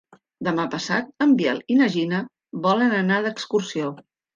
Demà passat en Biel i na Gina volen anar d'excursió.